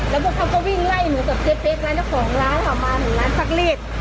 แล้วพวกเขาก็วิ่งไล่หนูสมเจ๊เป็กร้านจะ๒ล้านนะคะแล้วอ่ะมันร้านซักฤทธิ์